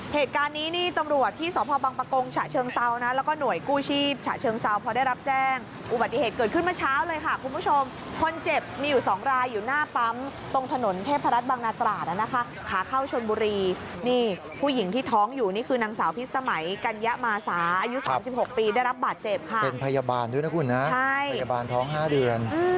เหตุการณ์นี้นี่ตำรวจที่สพบังปะกงฉะเชิงเซานะแล้วก็หน่วยกู้ชีพฉะเชิงเซาพอได้รับแจ้งอุบัติเหตุเกิดขึ้นเมื่อเช้าเลยค่ะคุณผู้ชมคนเจ็บมีอยู่สองรายอยู่หน้าปั๊มตรงถนนเทพรัฐบังนาตราดนะคะขาเข้าชนบุรีนี่ผู้หญิงที่ท้องอยู่นี่คือนางสาวพิษสมัยกัญญามาสาอายุ๓๖ปีได้รับบาดเจ็บค่ะเป็นพยาบาลด้วยนะคุณนะใช่พยาบาลท้อง๕เดือน